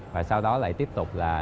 và sau đó lại tiếp tục là